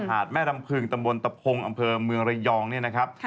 แม่รำพึงตำบลตะพงอำเภอเมืองระยองเนี่ยนะครับ